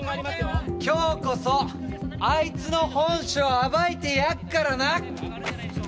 今日こそあいつの本性暴いてやっからな！